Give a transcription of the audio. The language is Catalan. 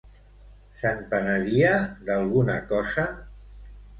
Se'n penedia d'alguna cosa?